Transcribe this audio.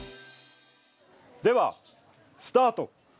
ではスタート！